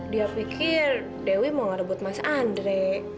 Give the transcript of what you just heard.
dia pikir dewi mau ngerebut mas andre